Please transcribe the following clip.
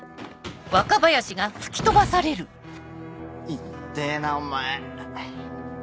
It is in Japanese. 痛ってぇなお前。